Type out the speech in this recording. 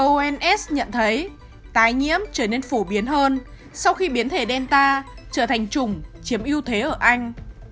uns nhận thấy tái nhiễm trở nên phổ biến hơn sau khi biến thể delta trở thành chủng chiếm ưu thế ở anh